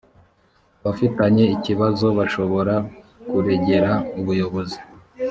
abafitanye ikibazo bashobora kuregera ubuyobozi